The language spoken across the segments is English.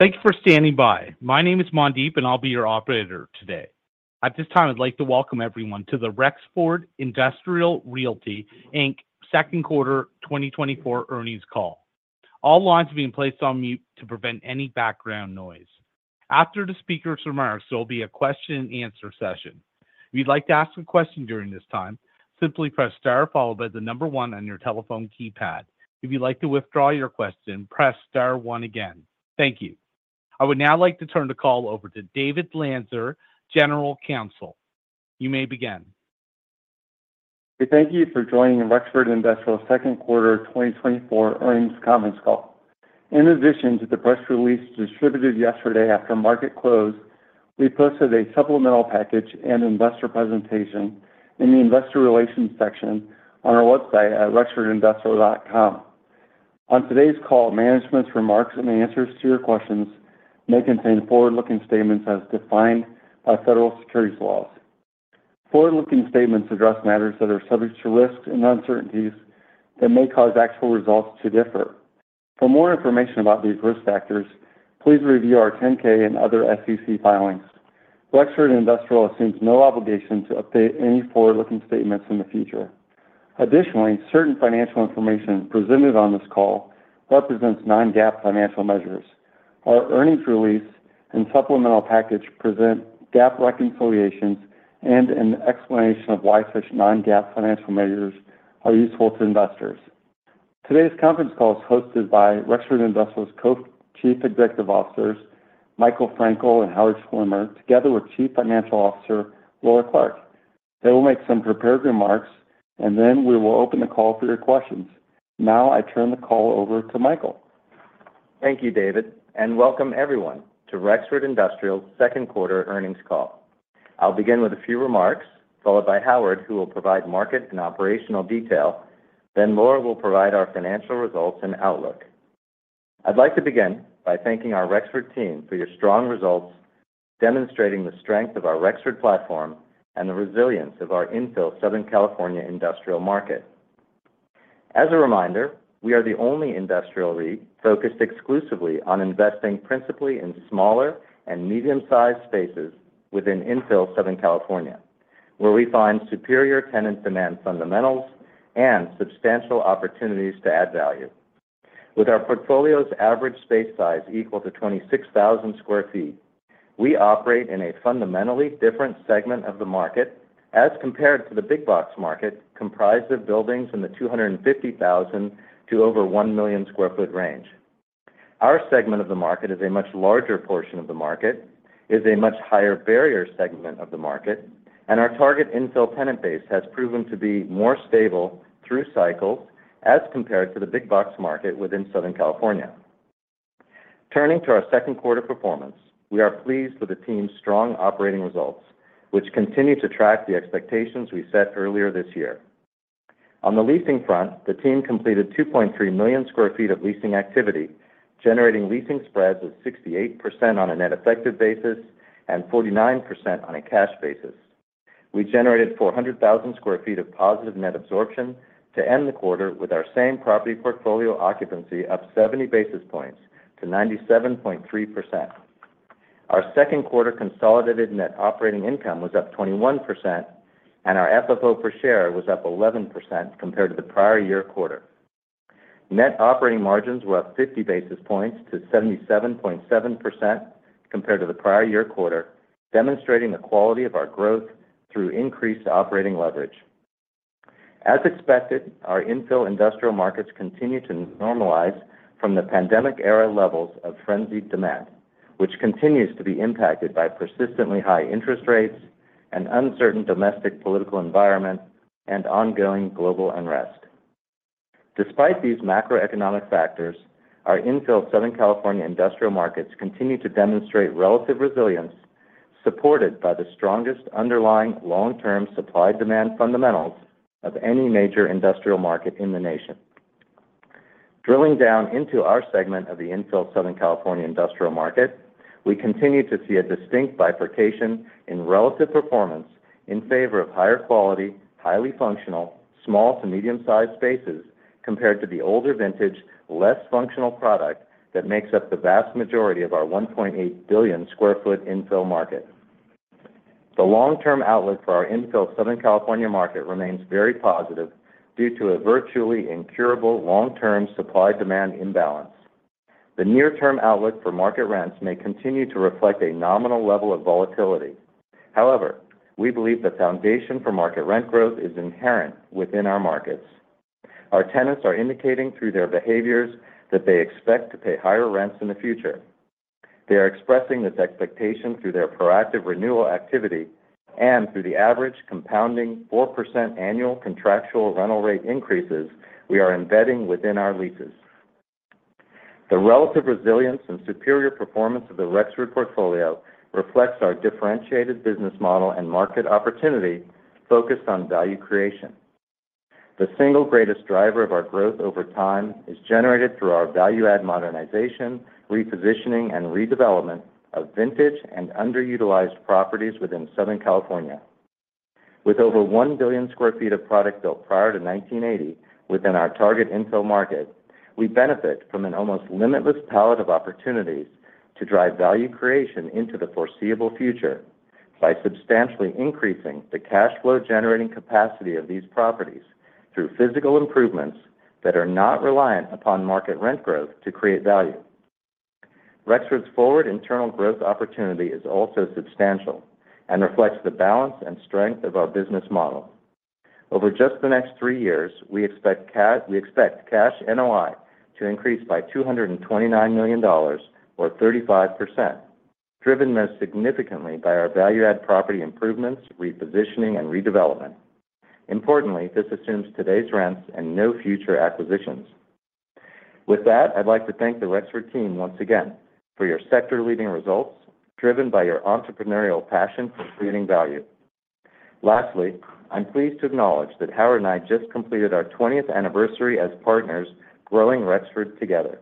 Thank you for standing by. My name is Mandeep, and I'll be your operator today. At this time, I'd like to welcome everyone to the Rexford Industrial Realty, Inc. Q2 2024 Earnings Call. All lines have been placed on mute to prevent any background noise. After the speakers' remarks, there will be a question and answer session. If you'd like to ask a question during this time, simply press Star followed by the number one on your telephone keypad. If you'd like to withdraw your question, press star one again. Thank you. I would now like to turn the call over to David Lanzer, General Counsel. You may begin. We thank you for joining Rexford Industrial's Q2 2024 earnings conference call. In addition to the press release distributed yesterday after market close, we posted a supplemental package and investor presentation in the investor relations section on our website at rexfordindustrial.com. On today's call, management's remarks and the answers to your questions may contain forward-looking statements as defined by federal securities laws. Forward-looking statements address matters that are subject to risks and uncertainties that may cause actual results to differ. For more information about these risk factors, please review our 10-K and other SEC filings. Rexford Industrial assumes no obligation to update any forward-looking statements in the future. Additionally, certain financial information presented on this call represents non-GAAP financial measures. Our earnings release and supplemental package present GAAP reconciliations and an explanation of why such non-GAAP financial measures are useful to investors. Today's conference call is hosted by Rexford Industrial's Co-Chief Executive Officers, Michael Frankel and Howard Schwimmer, together with Chief Financial Officer, Laura Clark. They will make some prepared remarks, and then we will open the call for your questions. Now I turn the call over to Michael. Thank you, David, and welcome everyone, to Rexford Industrial's Q2 earnings call. I'll begin with a few remarks, followed by Howard, who will provide market and operational detail. Then Laura will provide our financial results and outlook. I'd like to begin by thanking our Rexford team for your strong results, demonstrating the strength of our Rexford platform and the resilience of our infill Southern California industrial market. As a reminder, we are the only industrial REIT focused exclusively on investing principally in smaller and medium-sized spaces within infill Southern California, where we find superior tenant demand fundamentals and substantial opportunities to add value. With our portfolio's average space size equal to 26,000 sq ft, we operate in a fundamentally different segment of the market as compared to the big box market, comprised of buildings in the 250,000 to over 1 million sq ft range. Our segment of the market is a much larger portion of the market, is a much higher barrier segment of the market, and our target infill tenant base has proven to be more stable through cycles as compared to the big box market within Southern California. Turning to our Q2 performance, we are pleased with the team's strong operating results, which continue to track the expectations we set earlier this year. On the leasing front, the team completed 2.3 million sq ft of leasing activity, generating leasing spreads of 68% on a net effective basis and 49% on a cash basis. We generated 400,000 sq ft of positive net absorption to end the quarter with our same property portfolio occupancy up 70 basis points to 97.3%. Our Q2 consolidated net operating income was up 21%, and our FFO per share was up 11% compared to the prior year quarter. Net operating margins were up 50 basis points to 77.7% compared to the prior year quarter, demonstrating the quality of our growth through increased operating leverage. As expected, our infill industrial markets continue to normalize from the pandemic era levels of frenzied demand, which continues to be impacted by persistently high interest rates and uncertain domestic political environment and ongoing global unrest. Despite these macroeconomic factors, our infill Southern California industrial markets continue to demonstrate relative resilience, supported by the strongest underlying long-term supply-demand fundamentals of any major industrial market in the nation. Drilling down into our segment of the infill Southern California industrial market, we continue to see a distinct bifurcation in relative performance in favor of higher quality, highly functional, small to medium-sized spaces, compared to the older vintage, less functional product that makes up the vast majority of our 1.8 billion sq ft infill market. The long-term outlook for our infill Southern California market remains very positive due to a virtually incurable long-term supply-demand imbalance. The near term outlook for market rents may continue to reflect a nominal level of volatility. However, we believe the foundation for market rent growth is inherent within our markets. Our tenants are indicating through their behaviors that they expect to pay higher rents in the future. They are expressing this expectation through their proactive renewal activity and through the average compounding 4% annual contractual rental rate increases we are embedding within our leases. The relative resilience and superior performance of the Rexford portfolio reflects our differentiated business model and market opportunity focused on value creation. The single greatest driver of our growth over time is generated through our value-add modernization, repositioning, and redevelopment of vintage and underutilized properties within Southern California. With over 1 billion sq ft of product built prior to 1980 within our target infill market, we benefit from an almost limitless palette of opportunities to drive value creation into the foreseeable future, by substantially increasing the cash flow generating capacity of these properties through physical improvements that are not reliant upon market rent growth to create value. Rexford's forward internal growth opportunity is also substantial and reflects the balance and strength of our business model. Over just the next three years, we expect we expect cash NOI to increase by $229 million, or 35%, driven most significantly by our value-add property improvements, repositioning, and redevelopment. Importantly, this assumes today's rents and no future acquisitions. With that, I'd like to thank the Rexford team once again for your sector-leading results, driven by your entrepreneurial passion for creating value. Lastly, I'm pleased to acknowledge that Howard and I just completed our twentieth anniversary as partners, growing Rexford together.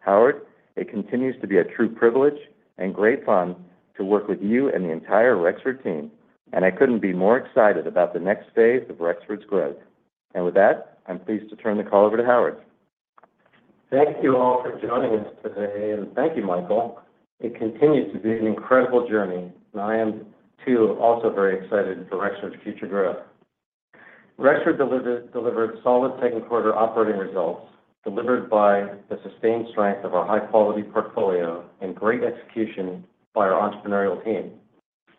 Howard, it continues to be a true privilege and great fun to work with you and the entire Rexford team, and I couldn't be more excited about the next phase of Rexford's growth. And with that, I'm pleased to turn the call over to Howard. Thank you all for joining us today, and thank you, Michael. It continues to be an incredible journey, and I am, too, also very excited for Rexford's future growth. Rexford delivered, delivered solid Q2 operating results, delivered by the sustained strength of our high-quality portfolio and great execution by our entrepreneurial team.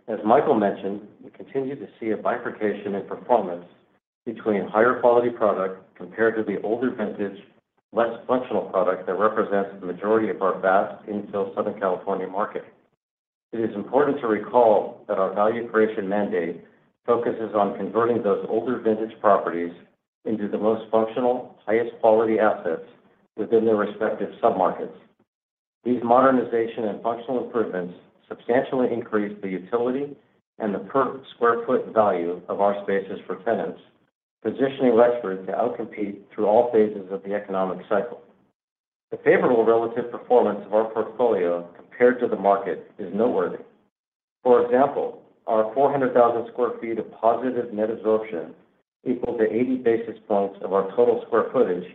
As Michael mentioned, we continue to see a bifurcation in performance between higher quality product compared to the older vintage, less functional product that represents the majority of our vast infill Southern California market. It is important to recall that our value creation mandate focuses on converting those older vintage properties into the most functional, highest quality assets within their respective submarkets. These modernization and functional improvements substantially increase the utility and the per square foot value of our spaces for tenants, positioning Rexford to outcompete through all phases of the economic cycle. The favorable relative performance of our portfolio compared to the market is noteworthy. For example, our 400,000 sq ft of positive net absorption equal to 80 basis points of our total square footage,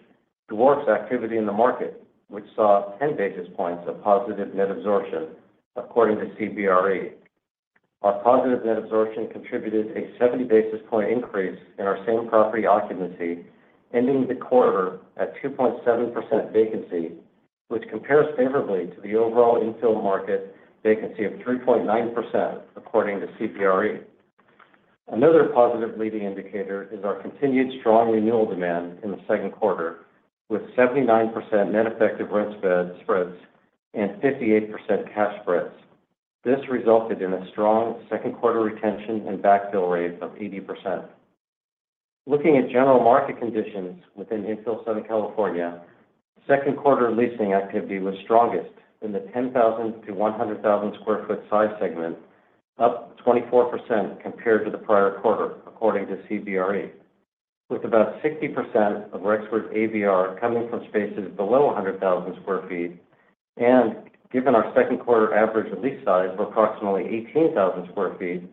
dwarfs activity in the market, which saw 10 basis points of positive net absorption, according to CBRE. Our positive net absorption contributed a 70 basis points increase in our same-property occupancy, ending the quarter at 2.7% vacancy, which compares favorably to the overall infill market vacancy of 3.9%, according to CBRE. Another positive leading indicator is our continued strong renewal demand in the Q2, with 79% net effective rents spread, spreads, and 58% cash spreads. This resulted in a strong Q2 retention and backfill rate of 80%. Looking at general market conditions within infill Southern California, Q2 leasing activity was strongest in the 10,000-100,000 sq ft size segment, up 24% compared to the prior quarter, according to CBRE. With about 60% of Rexford's ABR coming from spaces below 100,000 sq ft, and given our Q2 average lease size of approximately 18,000 sq ft,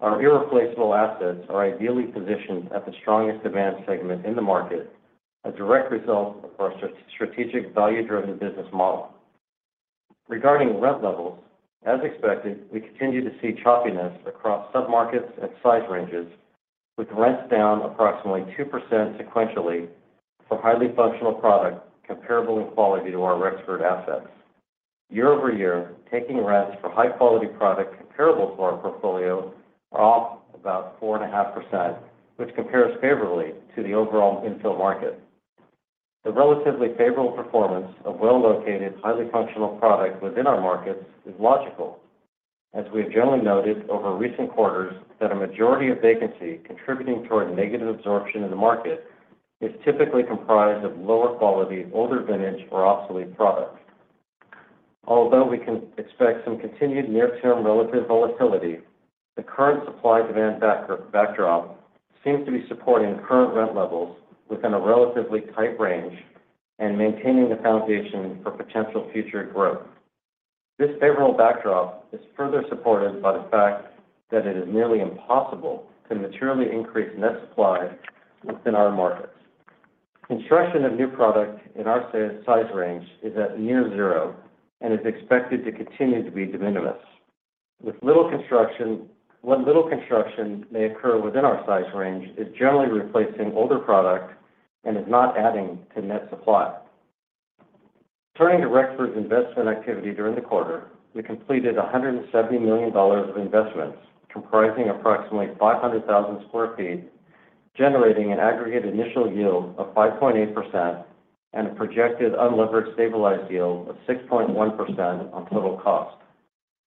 our irreplaceable assets are ideally positioned at the strongest demand segment in the market, a direct result of our strategic, value-driven business model. Regarding rent levels, as expected, we continue to see choppiness across submarkets and size ranges, with rents down approximately 2% sequentially for highly functional product, comparable in quality to our Rexford assets. Year-over-year, taking rents for high-quality product comparable to our portfolio are off about 4.5%, which compares favorably to the overall infill market. The relatively favorable performance of well-located, highly functional products within our markets is logical, as we have generally noted over recent quarters that a majority of vacancy contributing toward negative absorption in the market is typically comprised of lower quality, older vintage, or obsolete products. Although we can expect some continued near-term relative volatility, the current supply-demand backdrop seems to be supporting current rent levels within a relatively tight range and maintaining the foundation for potential future growth. This favorable backdrop is further supported by the fact that it is nearly impossible to materially increase net supply within our markets. Construction of new product in our size range is at near zero and is expected to continue to be de minimis. With little construction. What little construction may occur within our size range is generally replacing older products and is not adding to net supply. Turning to Rexford's investment activity during the quarter, we completed $170 million of investments, comprising approximately 500,000 sq ft, generating an aggregate initial yield of 5.8% and a projected unlevered stabilized yield of 6.1% on total cost.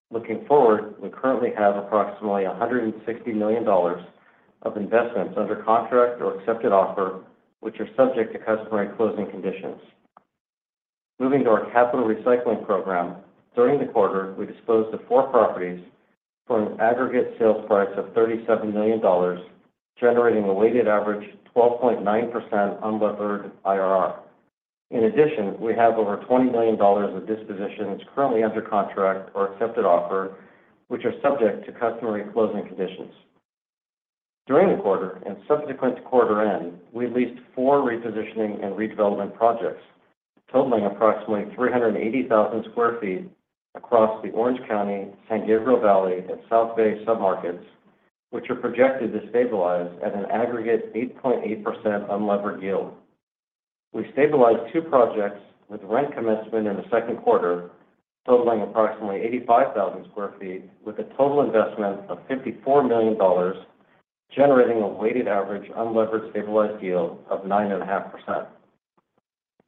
Looking forward, we currently have approximately $160 million of investments under contract or accepted offer, which are subject to customary closing conditions. Moving to our capital recycling program. During the quarter, we disposed of 4 properties for an aggregate sales price of $37 million, generating a weighted average 12.9% unlevered IRR. In addition, we have over $20 million of dispositions currently under contract or accepted offer, which are subject to customary closing conditions. During the quarter and subsequent to quarter end, we leased 4 repositioning and redevelopment projects, totaling approximately 380,000 sq ft across the Orange County, San Gabriel Valley, and South Bay submarkets, which are projected to stabilize at an aggregate 8.8% unlevered yield. We stabilized 2 projects with rent commencement in the Q2, totaling approximately 85,000 sq ft, with a total investment of $54 million, generating a weighted average unlevered stabilized yield of 9.5%.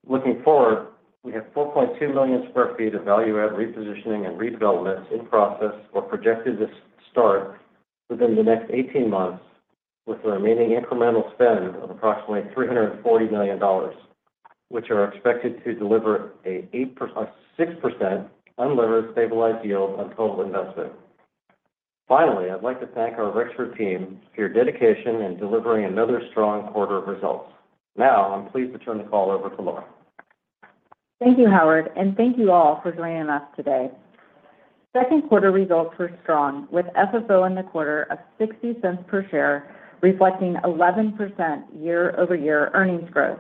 Looking forward, we have 4.2 million sq ft of value-add repositioning and redevelopments in process or projected to start within the next 18 months, with a remaining incremental spend of approximately $340 million, which are expected to deliver an 8%--a 6% unlevered stabilized yield on total investment. Finally, I'd like to thank our Rexford team for your dedication in delivering another strong quarter of results. Now, I'm pleased to turn the call over to Laura. Thank you, Howard, and thank you all for joining us today. Q2 results were strong, with FFO in the quarter of $0.60 per share, reflecting 11% year-over-year earnings growth.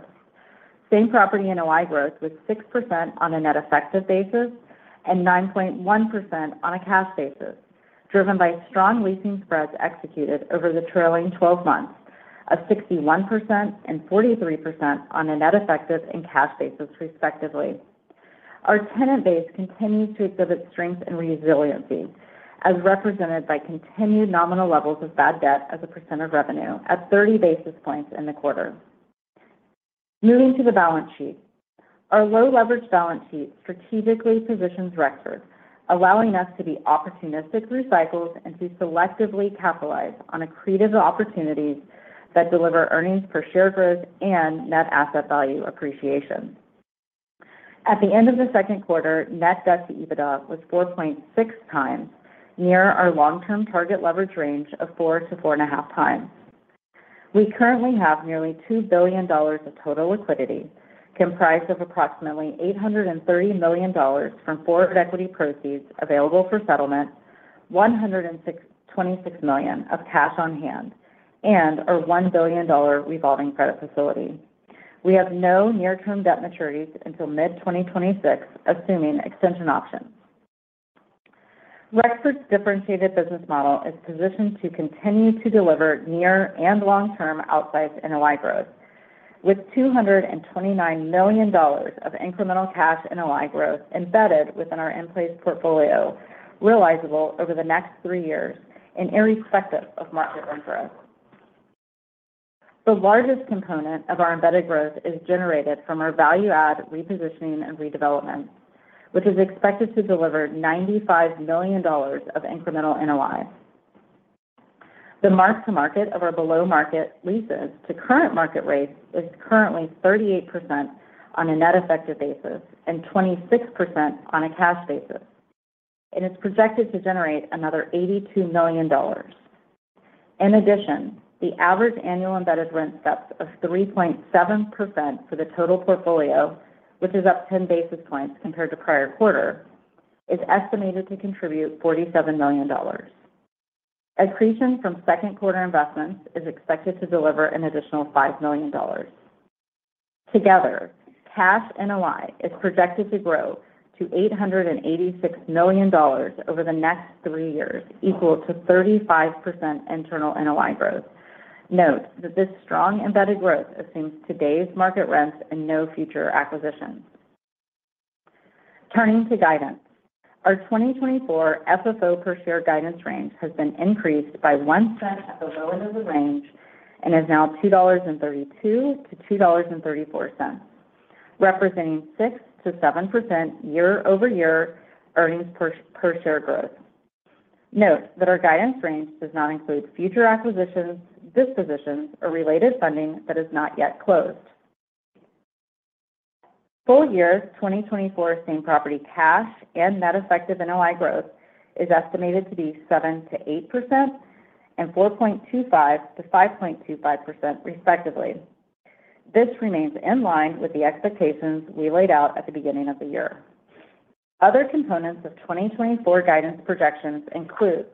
Same Property NOI growth was 6% on a net effective basis and 9.1% on a cash basis, driven by strong leasing spreads executed over the trailing twelve months of 61% and 43% on a net effective and cash basis, respectively. Our tenant base continues to exhibit strength and resiliency, as represented by continued nominal levels of bad debt as a percent of revenue at 30 basis points in the quarter. Moving to the balance sheet. Our low leverage balance sheet strategically positions Rexford, allowing us to be opportunistic through cycles and to selectively capitalize on accretive opportunities that deliver earnings per share growth and net asset value appreciation. At the end of the Q2, net debt to EBITDA was 4.6x, near our long-term target leverage range of 4-4.5x. We currently have nearly $2 billion of total liquidity, comprised of approximately $830 million from forward equity proceeds available for settlement, $126 million of cash on hand, and our $1 billion revolving credit facility. We have no near-term debt maturities until mid-2026, assuming extension options. Rexford's differentiated business model is positioned to continue to deliver near and long-term outsized NOI growth, with $229 million of incremental cash NOI growth embedded within our in-place portfolio, realizable over the next three years and irrespective of market rent growth. The largest component of our embedded growth is generated from our value add repositioning and redevelopment, which is expected to deliver $95 million of incremental NOI. The mark-to-market of our below-market leases to current market rates is currently 38% on a net effective basis and 26% on a cash basis, and is projected to generate another $82 million. In addition, the average annual embedded rent steps of 3.7% for the total portfolio, which is up 10 basis points compared to prior quarter, is estimated to contribute $47 million. Accretion from Q2 investments is expected to deliver an additional $5 million. Together, cash NOI is projected to grow to $886 million over the next 3 years, equal to 35% internal NOI growth. Note that this strong embedded growth assumes today's market rents and no future acquisitions. Turning to guidance. Our 2024 FFO per share guidance range has been increased by $0.01 at the lower end of the range and is now $2.32-$2.34, representing 6%-7% year-over-year earnings per share growth. Note that our guidance range does not include future acquisitions, dispositions, or related funding that is not yet closed. Full year, 2024 same property cash and net effective NOI growth is estimated to be 7%-8% and 4.25%-5.25% respectively. This remains in line with the expectations we laid out at the beginning of the year. Other components of 2024 guidance projections include: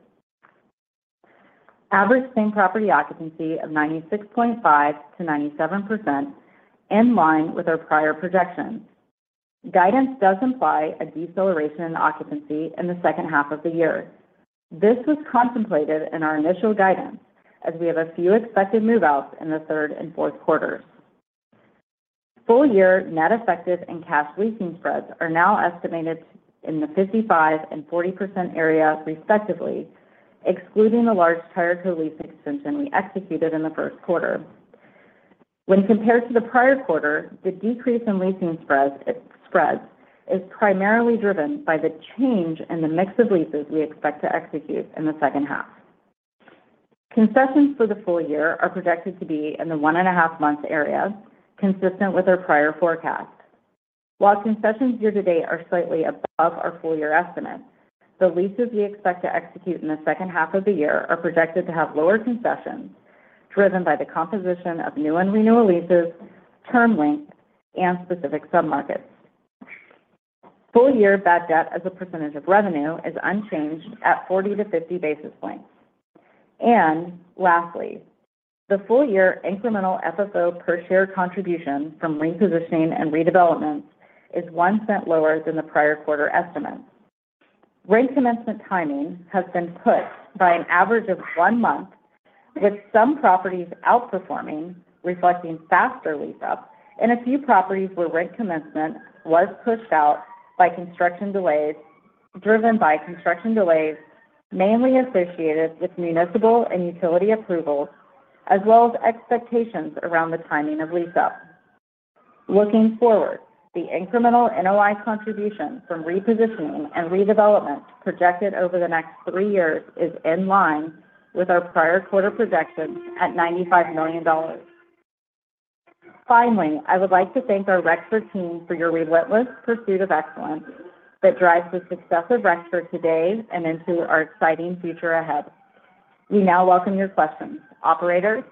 average same property occupancy of 96.5%-97%, in line with our prior projections. Guidance does imply a deceleration in occupancy in the H2 of the year. This was contemplated in our initial guidance, as we have a few expected move-outs in the third and fourth quarters. Full year net effective and cash leasing spreads are now estimated in the 55% and 40% area respectively, excluding the large Tireco lease extension we executed in the Q1. When compared to the prior quarter, the decrease in leasing spreads is primarily driven by the change in the mix of leases we expect to execute in the H2. Concessions for the full year are projected to be in the 1.5 months area, consistent with our prior forecast. While concessions year to date are slightly above our full year estimates, the leases we expect to execute in the H2 of the year are projected to have lower concessions.... driven by the composition of new and renewal leases, term length, and specific submarkets. Full-year bad debt as a percentage of revenue is unchanged at 40-50 basis points. And lastly, the full-year incremental FFO per share contribution from repositioning and redevelopments is $0.01 lower than the prior quarter estimate. Rent commencement timing has been pushed by an average of one month, with some properties outperforming, reflecting faster lease up, and a few properties where rent commencement was pushed out by construction delays, driven by construction delays, mainly associated with municipal and utility approvals, as well as expectations around the timing of lease up. Looking forward, the incremental NOI contribution from repositioning and redevelopment projected over the next three years is in line with our prior quarter projections at $95 million. Finally, I would like to thank our Rexford team for your relentless pursuit of excellence that drives the success of Rexford today and into our exciting future ahead. We now welcome your questions. Operator?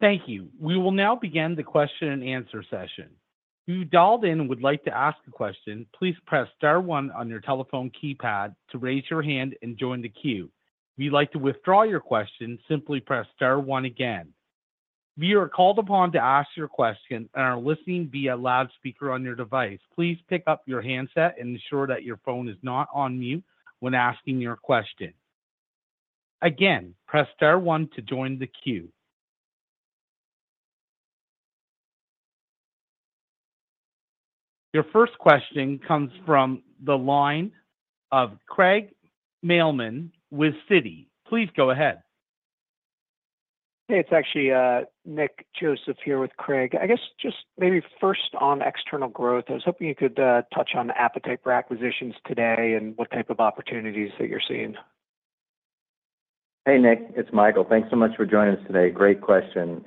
Thank you. We will now begin the question-and-answer session. If you dialed in and would like to ask a question, please press star one on your telephone keypad to raise your hand and join the queue. If you'd like to withdraw your question, simply press star one again. If you are called upon to ask your question and are listening via loudspeaker on your device, please pick up your handset and ensure that your phone is not on mute when asking your question. Again, press star one to join the queue. Your first question comes from the line of Craig Mailman with Citi. Please go ahead. Hey, it's actually Nick Joseph here with Craig. I guess just maybe first on external growth, I was hoping you could touch on the appetite for acquisitions today and what type of opportunities that you're seeing. Hey, Nick, it's Michael. Thanks so much for joining us today. Great question.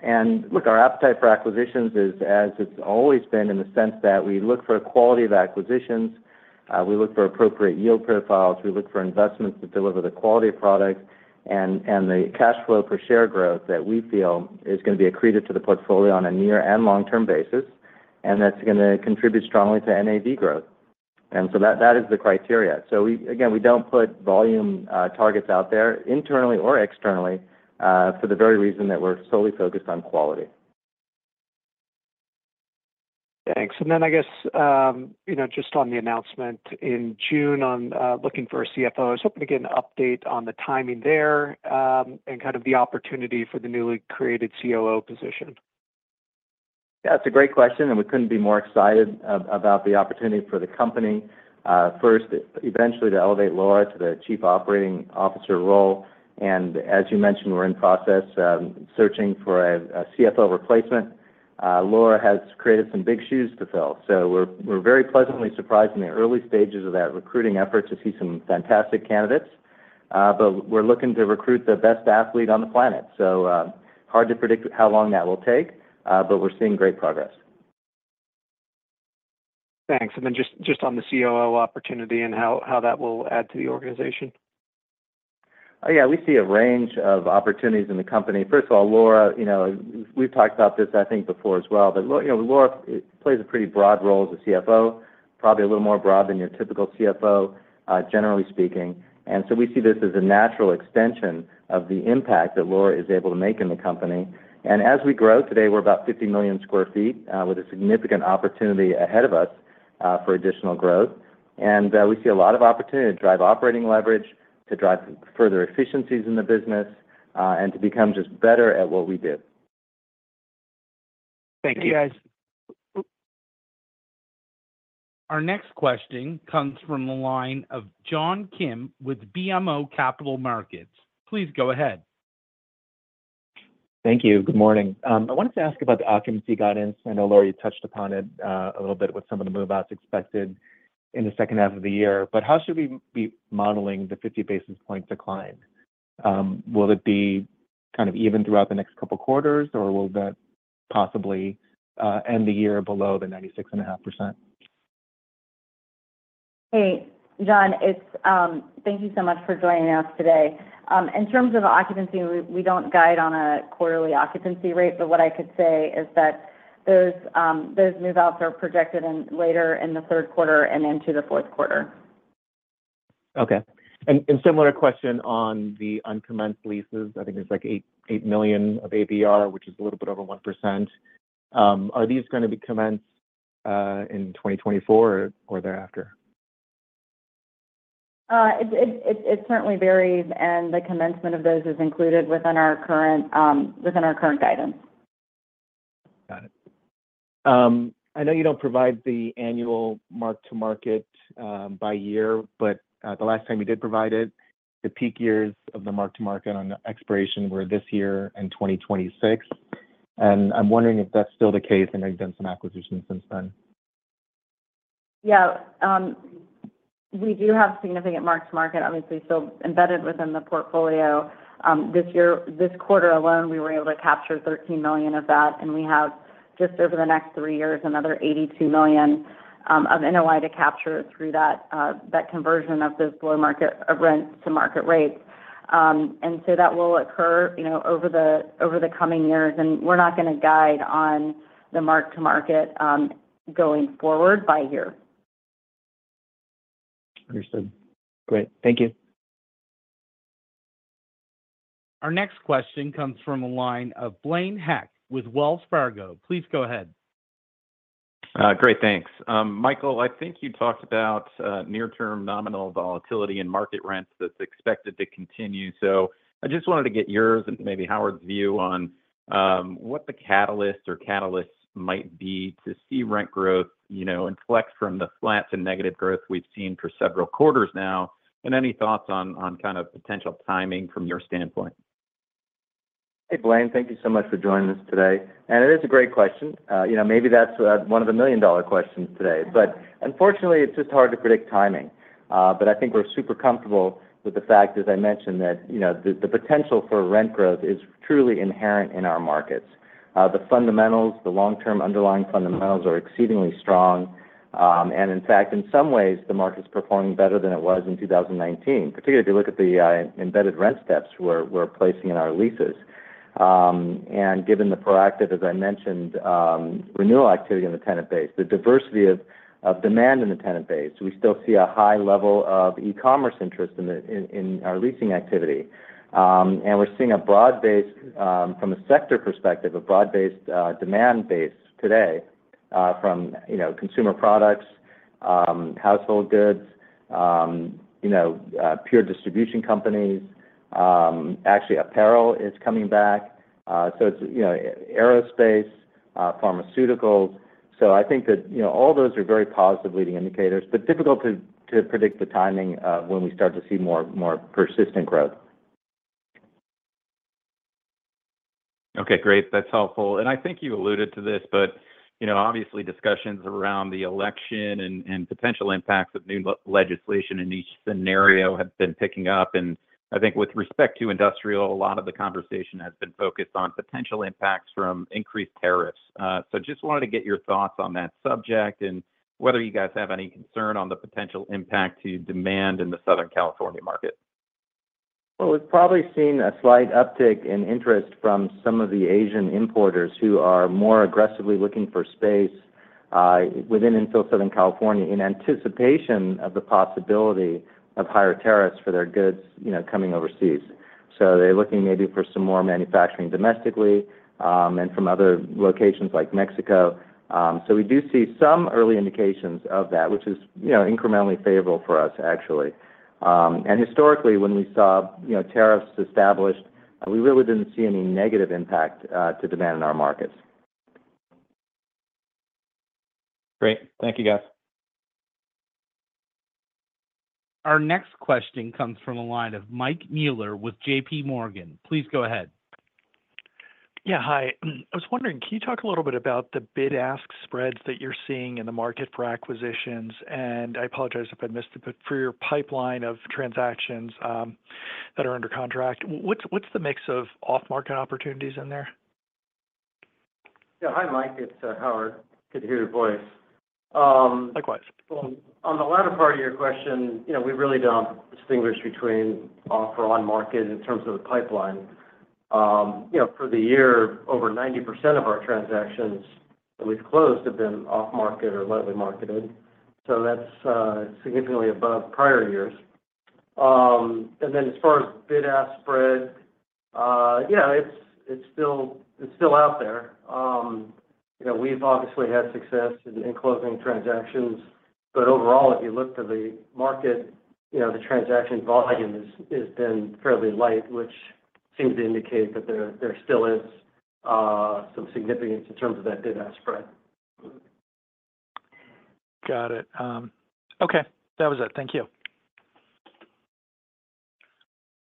Look, our appetite for acquisitions is, as it's always been, in the sense that we look for quality of acquisitions, we look for appropriate yield profiles, we look for investments that deliver the quality of products and, and the cash flow per share growth that we feel is gonna be accreted to the portfolio on a near and long-term basis, and that's gonna contribute strongly to NAV growth. So that, that is the criteria. We... Again, we don't put volume targets out there, internally or externally, for the very reason that we're solely focused on quality. Thanks. And then, I guess, you know, just on the announcement in June on looking for a CFO, I was hoping to get an update on the timing there, and kind of the opportunity for the newly created COO position. Yeah, it's a great question, and we couldn't be more excited about the opportunity for the company. First, eventually to elevate Laura to the Chief Operating Officer role, and as you mentioned, we're in process searching for a CFO replacement. Laura has created some big shoes to fill, so we're very pleasantly surprised in the early stages of that recruiting effort to see some fantastic candidates. But we're looking to recruit the best athlete on the planet, so hard to predict how long that will take, but we're seeing great progress. Thanks. And then just on the COO opportunity and how that will add to the organization. Yeah, we see a range of opportunities in the company. First of all, Laura, you know, we've talked about this, I think, before as well, but you know, Laura plays a pretty broad role as a CFO, probably a little more broad than your typical CFO, generally speaking. And so we see this as a natural extension of the impact that Laura is able to make in the company. And as we grow, today we're about 50 million sq ft, with a significant opportunity ahead of us, for additional growth. And, we see a lot of opportunity to drive operating leverage, to drive further efficiencies in the business, and to become just better at what we do. Thank you. Thanks. Our next question comes from the line of John Kim with BMO Capital Markets. Please go ahead. Thank you. Good morning. I wanted to ask about the occupancy guidance. I know, Laura, you touched upon it a little bit with some of the move-outs expected in the H2 of the year, but how should we be modeling the 50 basis point decline? Will it be kind of even throughout the next couple of quarters, or will that possibly end the year below the 96.5%? Hey, John, it's. Thank you so much for joining us today. In terms of occupancy, we don't guide on a quarterly occupancy rate, but what I could say is that those move-outs are projected later in the Q3 and into the Q4. Okay. And similar question on the uncommenced leases. I think there's, like, $8 million of ABR, which is a little bit over 1%. Are these gonna be commenced in 2024 or thereafter? It certainly varies, and the commencement of those is included within our current guidance. Got it. I know you don't provide the annual mark-to-market by year, but the last time you did provide it, the peak years of the mark-to-market on expiration were this year and 2026. And I'm wondering if that's still the case. I know you've done some acquisitions since then. Yeah, we do have significant mark-to-market, obviously, so embedded within the portfolio. This year, this quarter alone, we were able to capture $13 million of that, and we have-... just over the next three years, another $82 million of NOI to capture through that conversion of those below-market rents to market rates. And so that will occur, you know, over the coming years, and we're not gonna guide on the mark-to-market going forward by year. Understood. Great. Thank you. Our next question comes from the line of Blaine Heck with Wells Fargo. Please go ahead. Great, thanks. Michael, I think you talked about near-term nominal volatility in market rents that's expected to continue. So I just wanted to get yours and maybe Howard's view on what the catalyst or catalysts might be to see rent growth, you know, inflect from the slumps and negative growth we've seen for several quarters now, and any thoughts on kind of potential timing from your standpoint? Hey, Blaine, thank you so much for joining us today. It is a great question. You know, maybe that's one of the million-dollar questions today. Unfortunately, it's just hard to predict timing. But I think we're super comfortable with the fact, as I mentioned, that, you know, the potential for rent growth is truly inherent in our markets. The fundamentals, the long-term underlying fundamentals are exceedingly strong. And in fact, in some ways, the market's performing better than it was in 2019, particularly if you look at the embedded rent steps we're placing in our leases. And given the proactive, as I mentioned, renewal activity in the tenant base, the diversity of demand in the tenant base, we still see a high level of e-commerce interest in our leasing activity. And we're seeing a broad-based, from a sector perspective, a broad-based demand base today, from, you know, consumer products, household goods, you know, pure distribution companies. Actually, apparel is coming back. So it's, you know, aerospace, pharmaceuticals. So I think that, you know, all those are very positive leading indicators, but difficult to predict the timing of when we start to see more persistent growth. Okay, great. That's helpful. And I think you alluded to this, but, you know, obviously, discussions around the election and potential impacts of new legislation in each scenario have been picking up. And I think with respect to industrial, a lot of the conversation has been focused on potential impacts from increased tariffs. So just wanted to get your thoughts on that subject, and whether you guys have any concern on the potential impact to demand in the Southern California market. Well, we've probably seen a slight uptick in interest from some of the Asian importers who are more aggressively looking for space within infill Southern California, in anticipation of the possibility of higher tariffs for their goods, you know, coming overseas. So they're looking maybe for some more manufacturing domestically, and from other locations like Mexico. So we do see some early indications of that, which is, you know, incrementally favorable for us, actually. And historically, when we saw, you know, tariffs established, we really didn't see any negative impact to demand in our markets. Great. Thank you, guys. Our next question comes from a line of Mike Mueller with JPMorgan. Please go ahead. Yeah, hi. I was wondering, can you talk a little bit about the bid-ask spreads that you're seeing in the market for acquisitions? I apologize if I missed it, but for your pipeline of transactions that are under contract, what's the mix of off-market opportunities in there? Yeah. Hi, Mike, it's Howard. Good to hear your voice. Likewise. On the latter part of your question, you know, we really don't distinguish between off or on market in terms of the pipeline. You know, for the year, over 90% of our transactions that we've closed have been off market or lightly marketed, so that's significantly above prior years. And then as far as bid-ask spread, yeah, it's still out there. You know, we've obviously had success in closing transactions, but overall, if you look to the market, you know, the transaction volume has been fairly light, which seems to indicate that there still is some significance in terms of that bid-ask spread. Got it. Okay. That was it. Thank you.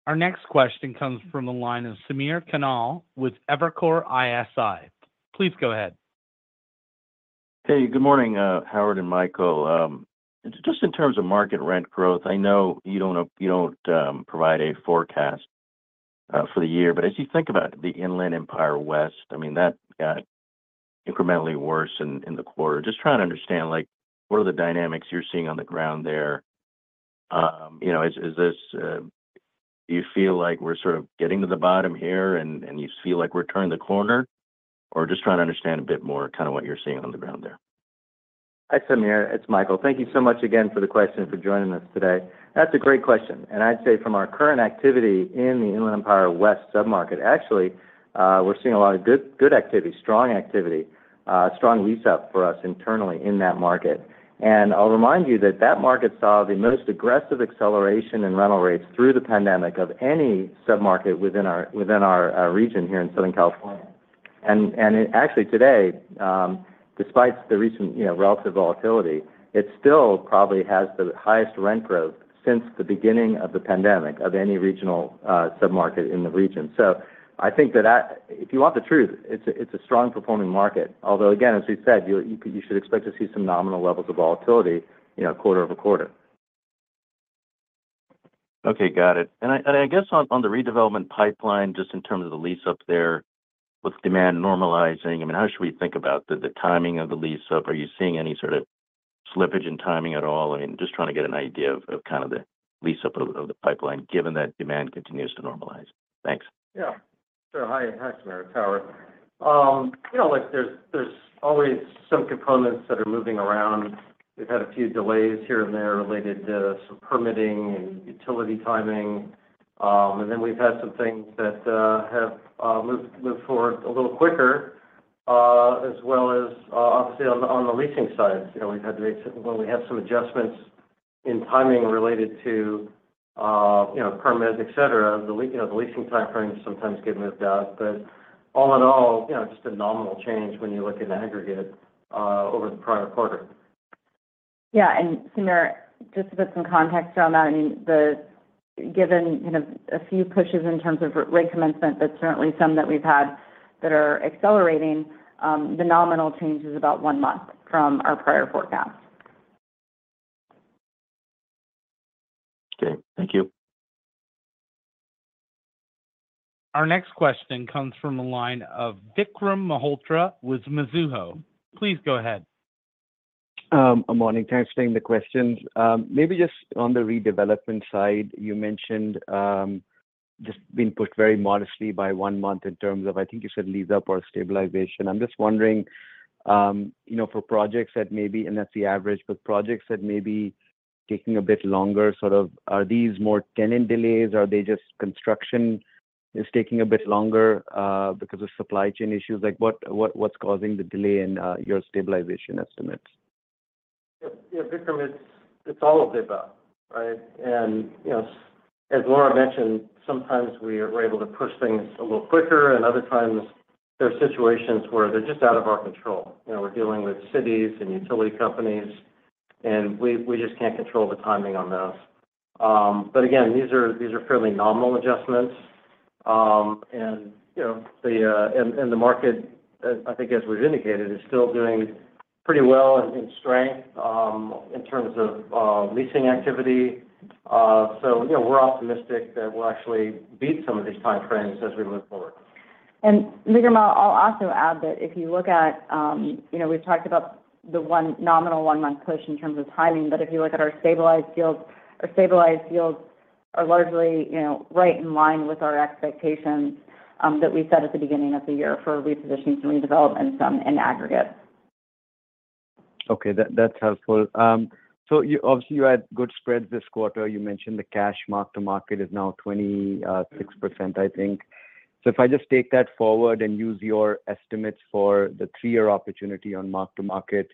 Our next question comes from the line of Samir Khanal with Evercore ISI. Please go ahead. Hey, good morning, Howard and Michael. Just in terms of market rent growth, I know you don't know—you don't provide a forecast for the year, but as you think about the Inland Empire West, I mean, that got incrementally worse in the quarter. Just trying to understand, like, what are the dynamics you're seeing on the ground there? You know, is this... Do you feel like we're sort of getting to the bottom here, and you feel like we're turning the corner? Or just trying to understand a bit more, kind of what you're seeing on the ground there. Hi, Samir, it's Michael. Thank you so much again for the question, for joining us today. That's a great question, and I'd say from our current activity in the Inland Empire West submarket, actually, we're seeing a lot of good, good activity, strong activity, strong lease up for us internally in that market. And I'll remind you that that market saw the most aggressive acceleration in rental rates through the pandemic of any submarket within our, within our, region here in Southern California. And, and it actually today, despite the recent, you know, relative volatility, it still probably has the highest rent growth since the beginning of the pandemic, of any regional, submarket in the region. So I think that that, if you want the truth, it's a, it's a strong performing market. Although, again, as we said, you should expect to see some nominal levels of volatility, you know, quarter-over-quarter. Okay, got it. And I guess on the redevelopment pipeline, just in terms of the lease up there, with demand normalizing, I mean, how should we think about the timing of the lease up? Are you seeing any sort of slippage in timing at all? I mean, just trying to get an idea of kind of the lease up of the pipeline, given that demand continues to normalize. Thanks. Yeah. Sure. Hi. Hi, Samir Khanal. You know, like, there's always some components that are moving around. We've had a few delays here and there related to some permitting and utility timing. And then we've had some things that have moved forward a little quicker, as well as obviously on the leasing side. You know, we've had to make—Well, we had some adjustments in timing related to, you know, permits, et cetera. The leasing time frames sometimes get moved out, but all in all, you know, just a nominal change when you look at aggregate over the prior quarter. Yeah, and Samir, just to put some context around that, I mean, the given, you know, a few pushes in terms of rate commencement, that's certainly some that we've had that are accelerating, the nominal change is about one month from our prior forecast. Okay. Thank you. Our next question comes from the line of Vikram Malhotra with Mizuho. Please go ahead. Good morning. Thanks for taking the questions. Maybe just on the redevelopment side, you mentioned just being pushed very modestly by one month in terms of, I think you said, lease up or stabilization. I'm just wondering, you know, for projects that may be... And that's the average, but projects that may be taking a bit longer, sort of, are these more tenant delays? Are they just construction is taking a bit longer, because of supply chain issues? Like, what, what, what's causing the delay in, your stabilization estimates? Yeah, yeah, Vikram, it's all of the above, right? And you know, as Laura mentioned, sometimes we are able to push things a little quicker, and other times, there are situations where they're just out of our control. You know, we're dealing with cities and utility companies, and we just can't control the timing on those. But again, these are fairly nominal adjustments. And you know, the market I think as we've indicated is still doing pretty well in strength in terms of leasing activity. So you know, we're optimistic that we'll actually beat some of these time frames as we move forward. Vikram, I'll also add that if you look at, you know, we've talked about the one nominal, one-month push in terms of timing, but if you look at our stabilized yields, our stabilized yields are largely, you know, right in line with our expectations that we set at the beginning of the year for repositioning and redevelopment, some in aggregate. Okay, that, that's helpful. So you obviously, you had good spreads this quarter. You mentioned the cash mark-to-market is now 26%, I think. So if I just take that forward and use your estimates for the 3-year opportunity on mark-to-market,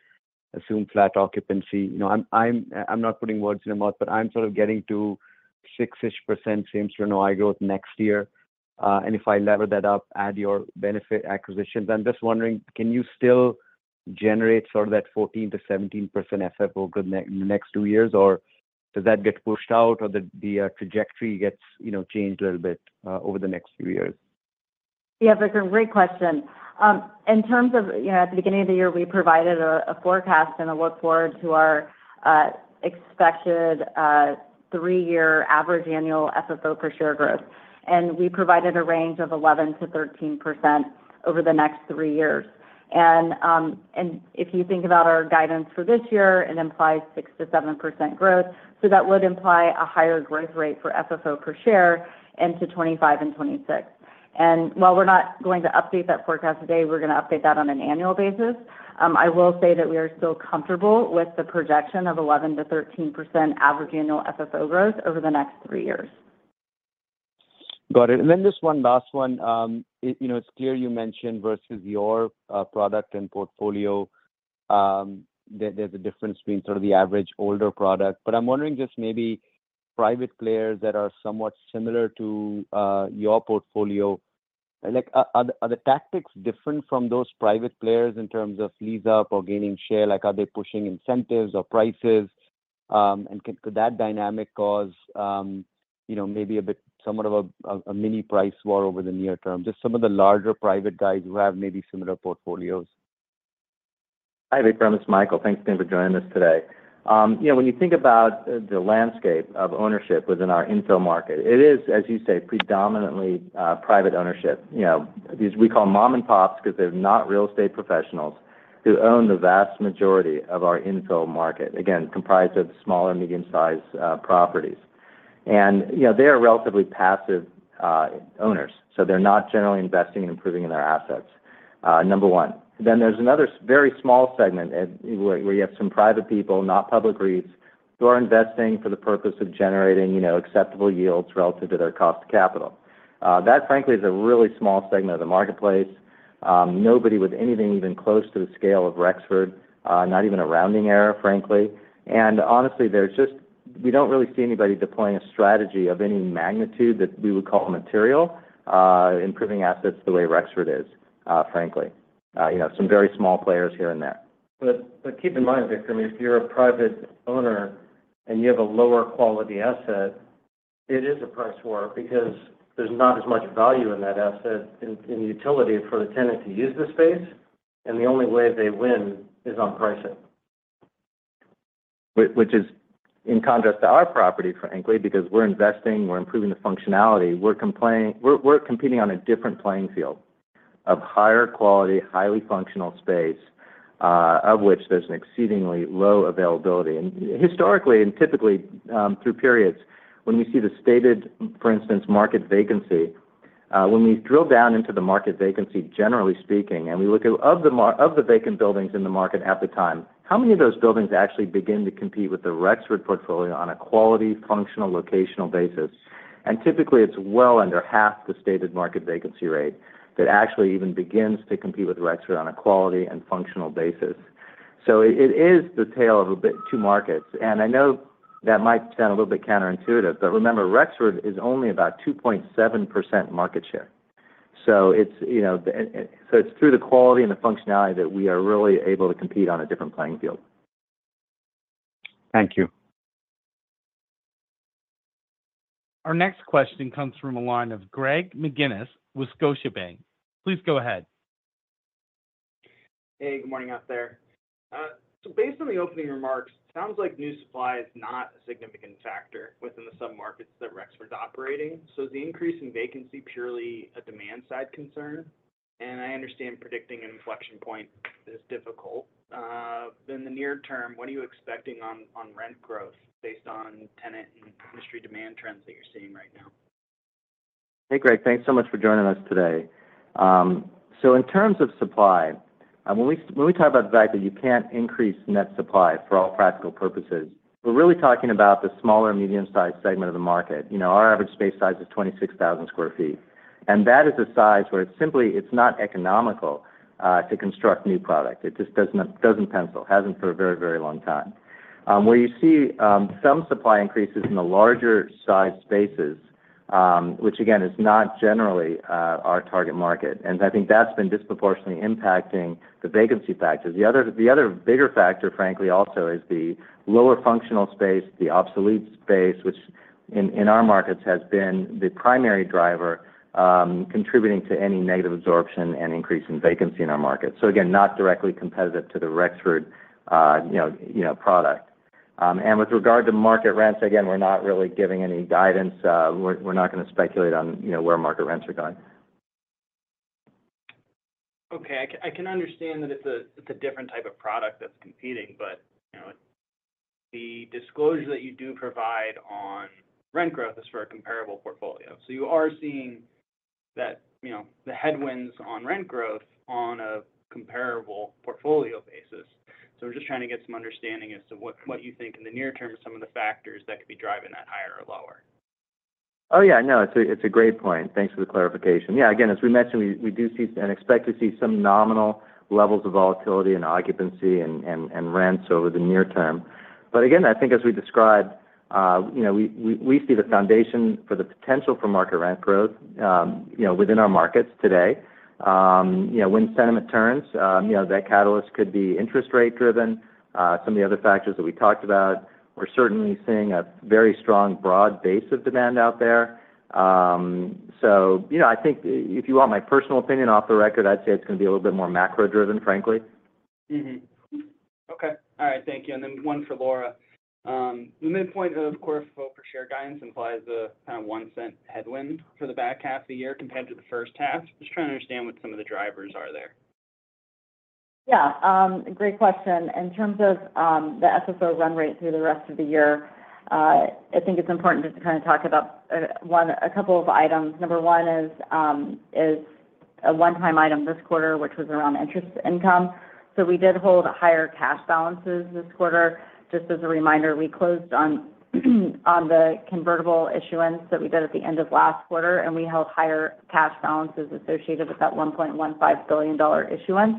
assume flat occupancy, you know, I'm not putting words in your mouth, but I'm sort of getting to 6-ish% same store growth next year. And if I lever that up, add your benefit acquisitions, I'm just wondering, can you still generate sort of that 14%-17% FFO over the next two years, or does that get pushed out, or the trajectory gets, you know, changed a little bit over the next few years? Yeah, Vikram, great question. In terms of, you know, at the beginning of the year, we provided a forecast and a look forward to our expected three-year average annual FFO per share growth, and we provided a range of 11%-13% over the next three years. And if you think about our guidance for this year, it implies 6%-7% growth. So that would imply a higher growth rate for FFO per share into 2025 and 2026. And while we're not going to update that forecast today, we're going to update that on an annual basis. I will say that we are still comfortable with the projection of 11%-13% average annual FFO growth over the next three years. Got it. And then just one last one. You know, it's clear you mentioned versus your product and portfolio, there, there's a difference between sort of the average older product. But I'm wondering just maybe private players that are somewhat similar to your portfolio. Like, are the tactics different from those private players in terms of lease up or gaining share? Like, are they pushing incentives or prices, and can that dynamic cause, you know, maybe a bit somewhat of a mini price war over the near term? Just some of the larger private guys who have maybe similar portfolios. Hi, Vikram. It's Michael. Thanks again for joining us today. You know, when you think about the landscape of ownership within our infill market, it is, as you say, predominantly private ownership. You know, these we call mom and pops because they're not real estate professionals, who own the vast majority of our infill market, again, comprised of small and medium-sized properties. And, you know, they are relatively passive owners, so they're not generally investing in improving in their assets, number one. Then there's another very small segment, where you have some private people, not public REITs, who are investing for the purpose of generating, you know, acceptable yields relative to their cost of capital. That, frankly, is a really small segment of the marketplace. Nobody with anything even close to the scale of Rexford, not even a rounding error, frankly. Honestly, there's just we don't really see anybody deploying a strategy of any magnitude that we would call material, improving assets the way Rexford is, frankly. You know, some very small players here and there. But keep in mind, Vikram, if you're a private owner and you have a lower quality asset, it is a price war because there's not as much value in that asset in utility for the tenant to use the space, and the only way they win is on pricing.... Which, which is in contrast to our property, frankly, because we're investing, we're improving the functionality. We're competing on a different playing field of higher quality, highly functional space, of which there's an exceedingly low availability. And historically and typically, through periods, when we see the stated, for instance, market vacancy, when we drill down into the market vacancy, generally speaking, and we look at the vacant buildings in the market at the time, how many of those buildings actually begin to compete with the Rexford portfolio on a quality, functional, locational basis? And typically, it's well under half the stated market vacancy rate that actually even begins to compete with Rexford on a quality and functional basis. So it is the tale of two markets, and I know that might sound a little bit counterintuitive, but remember, Rexford is only about 2.7% market share. So it's, you know, So it's through the quality and the functionality that we are really able to compete on a different playing field. Thank you. Our next question comes from the line of Greg McGinniss with Scotiabank. Please go ahead. Hey, good morning out there. So based on the opening remarks, it sounds like new supply is not a significant factor within the submarkets that Rexford's operating. So is the increase in vacancy purely a demand-side concern? And I understand predicting an inflection point is difficult. But in the near term, what are you expecting on rent growth based on tenant and industry demand trends that you're seeing right now? Hey, Greg, thanks so much for joining us today. So in terms of supply, when we, when we talk about the fact that you can't increase net supply for all practical purposes, we're really talking about the smaller and medium-sized segment of the market. You know, our average space size is 26,000 sq ft, and that is a size where it's simply, it's not economical, to construct new product. It just doesn't, doesn't pencil, hasn't for a very, very long time. Where you see, some supply increases in the larger-sized spaces, which again, is not generally, our target market, and I think that's been disproportionately impacting the vacancy factors. The other, the other bigger factor, frankly, also is the lower functional space, the obsolete space, which in our markets, has been the primary driver, contributing to any negative absorption and increase in vacancy in our market. So again, not directly competitive to the Rexford, you know, you know, product. And with regard to market rents, again, we're not really giving any guidance. We're not going to speculate on, you know, where market rents are going. Okay. I can understand that it's a different type of product that's competing, but, you know, the disclosure that you do provide on rent growth is for a comparable portfolio. So you are seeing that, you know, the headwinds on rent growth on a comparable portfolio basis. So we're just trying to get some understanding as to what you think in the near term, some of the factors that could be driving that higher or lower. Oh, yeah. No, it's a great point. Thanks for the clarification. Yeah, again, as we mentioned, we do see and expect to see some nominal levels of volatility in occupancy and rents over the near term. But again, I think as we described, you know, we see the foundation for the potential for market rent growth, you know, within our markets today. You know, when sentiment turns, you know, that catalyst could be interest rate-driven, some of the other factors that we talked about. We're certainly seeing a very strong, broad base of demand out there. So you know, I think if you want my personal opinion off the record, I'd say it's going to be a little bit more macro-driven, frankly. Mm-hmm. Okay. All right, thank you. And then one for Laura. The midpoint of the quarterly FFO per share guidance implies a kind of $0.01 headwind for the back half of the year compared to the H1. Just trying to understand what some of the drivers are there. Yeah, great question. In terms of the FFO run rate through the rest of the year, I think it's important just to kind of talk about one-- a couple of items. Number one is a one-time item this quarter, which was around interest income. So we did hold higher cash balances this quarter. Just as a reminder, we closed on the convertible issuance that we did at the end of last quarter, and we held higher cash balances associated with that $1.15 billion issuance,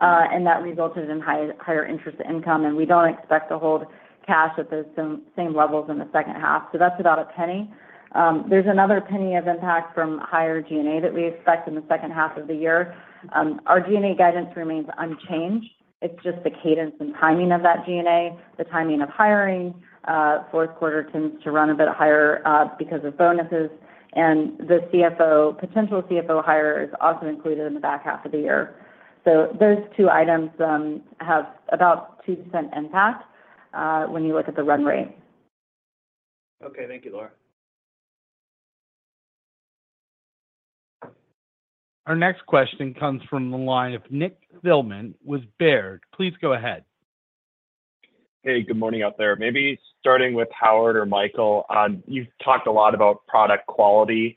and that resulted in higher interest income, and we don't expect to hold cash at those same levels in the H2. So that's about a penny. There's another penny of impact from higher G&A that we expect in the H2 of the year. Our G&A guidance remains unchanged. It's just the cadence and timing of that G&A, the timing of hiring. Q4 tends to run a bit higher because of bonuses, and the potential CFO hire is also included in the back half of the year. So those two items have about 2% impact when you look at the run rate. Okay. Thank you, Laura. Our next question comes from the line of Nick Thillman with Baird. Please go ahead. Hey, good morning out there. Maybe starting with Howard or Michael, you've talked a lot about product quality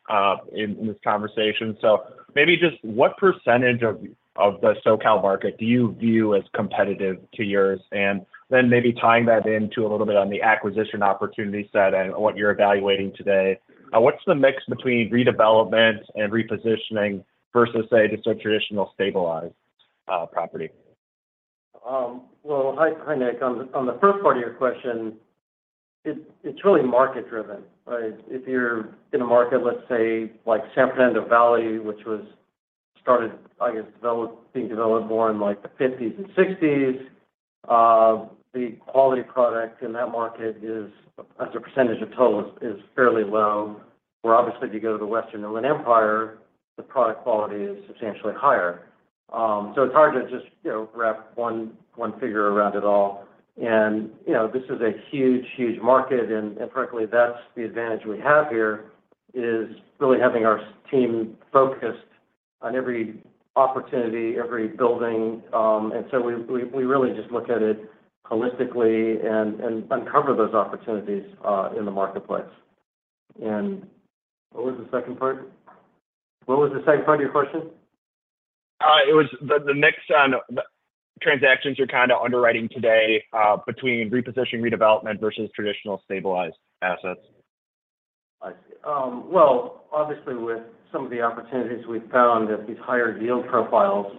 in this conversation. So maybe just what percentage of the SoCal market do you view as competitive to yours? And then maybe tying that into a little bit on the acquisition opportunity set and what you're evaluating today, what's the mix between redevelopment and repositioning versus, say, just a traditional stabilized property? Well, hi, hi, Nick. On the, on the first part of your question, it's, it's really market-driven, right? If you're in a market, let's say, like San Fernando Valley, which was started, I guess, developed, being developed more in, like, the 1950s and 1960s, the quality product in that market is, as a percentage of total, is, is fairly low, where obviously, if you go to the Western Inland Empire, the product quality is substantially higher. So it's hard to just, you know, wrap one, one figure around it all. And, you know, this is a huge, huge market, and, and frankly, that's the advantage we have here, is really having our team focused on every opportunity, every building. And so we, we, we really just look at it holistically and, and uncover those opportunities in the marketplace. And what was the second part? What was the second part of your question? It was the mix on the transactions you're kind of underwriting today, between repositioning redevelopment versus traditional stabilized assets. I see. Well, obviously, with some of the opportunities we've found at these higher yield profiles,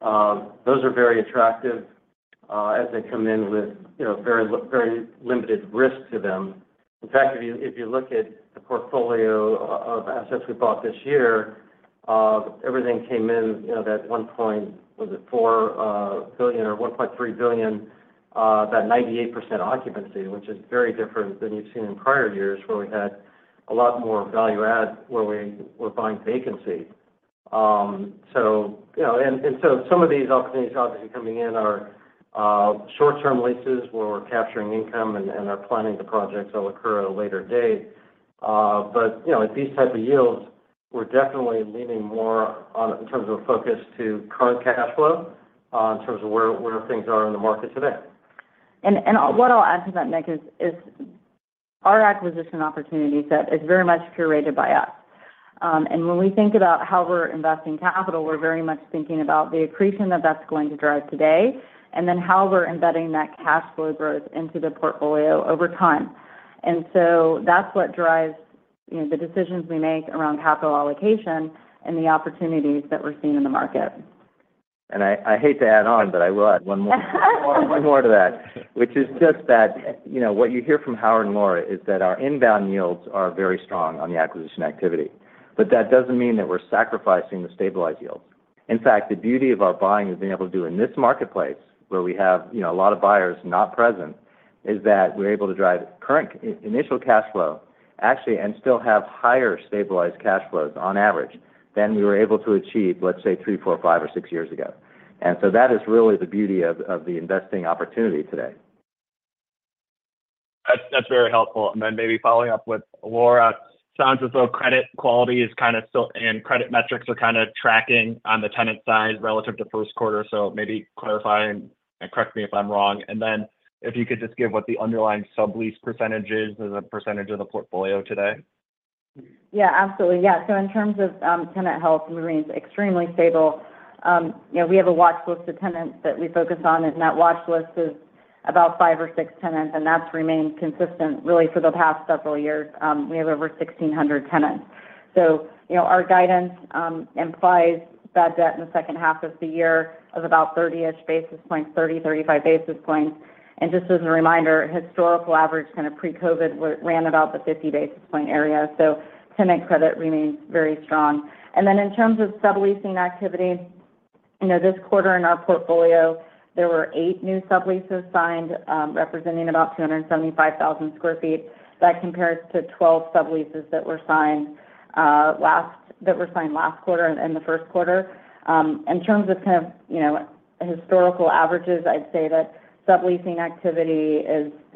those are very attractive, as they come in with, you know, very limited risk to them. In fact, if you look at the portfolio of assets we bought this year, everything came in, you know, $1.4 billion or $1.3 billion, about 98% occupancy, which is very different than you've seen in prior years, where we had a lot more value add, where we were buying vacancy. So, you know... And so some of these opportunities obviously coming in are short-term leases, where we're capturing income and are planning the projects that will occur at a later date. You know, at these type of yields, we're definitely leaning more on in terms of focus to current cash flow, in terms of where things are in the market today. What I'll add to that, Nick, is our acquisition opportunity set is very much curated by us. When we think about how we're investing capital, we're very much thinking about the accretion that that's going to drive today, and then how we're embedding that cash flow growth into the portfolio over time. That's what drives, you know, the decisions we make around capital allocation and the opportunities that we're seeing in the market. And I hate to add on, but I will add one more, one more to that, which is just that, you know, what you hear from Howard and Laura is that our inbound yields are very strong on the acquisition activity. But that doesn't mean that we're sacrificing the stabilized yields. In fact, the beauty of our buying has been able to do in this marketplace, where we have, you know, a lot of buyers not present, is that we're able to drive current initial cash flow, actually, and still have higher stabilized cash flows on average than we were able to achieve, let's say, three, four, five, or six years ago. And so that is really the beauty of the investing opportunity today. That's, that's very helpful. And then maybe following up with Laura, sounds as though credit quality is kind of still, and credit metrics are kind of tracking on the tenant side relative to Q1. So maybe clarify, and, and correct me if I'm wrong. And then if you could just give what the underlying sublease percentage is as a percentage of the portfolio today. Yeah, absolutely. Yeah, so in terms of tenant health, remains extremely stable. You know, we have a watchlist of tenants that we focus on, and that watchlist is about five or six tenants, and that's remained consistent really for the past several years. We have over 1,600 tenants. So, you know, our guidance implies bad debt in the H2 of the year of about 30-ish basis points, 30, 35 basis points. And just as a reminder, historical average, kind of pre-COVID, ran about the 50 basis point area, so tenant credit remains very strong. And then in terms of subleasing activity, you know, this quarter in our portfolio, there were eight new subleases signed, representing about 275,000 sq ft. That compares to 12 subleases that were signed last quarter in the Q1. In terms of kind of, you know, historical averages, I'd say that subleasing activity